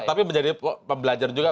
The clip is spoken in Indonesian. tapi menjadi pembelajar juga